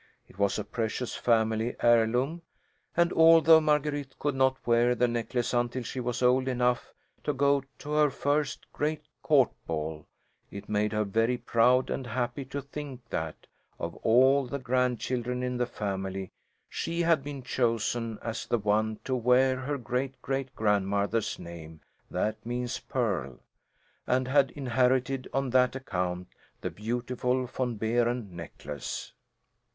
It was a precious family heirloom, and although Marguerite could not wear the necklace until she was old enough to go to her first great court ball, it made her very proud and happy to think that, of all the grandchildren in the family, she had been chosen as the one to wear her great great grandmother's name that means pearl, and had inherited on that account the beautiful Von Behren necklace.